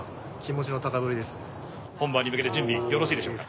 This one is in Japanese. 本番に向けて準備よろしいでしょうか。